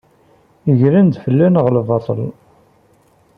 Gren-d fell-aneɣ lbaṭel.